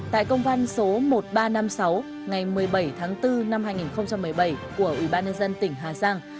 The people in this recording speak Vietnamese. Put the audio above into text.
tại công văn số một nghìn ba trăm năm mươi sáu ngày một mươi bảy tháng bốn năm hai nghìn một mươi bảy của ubnd tỉnh hà giang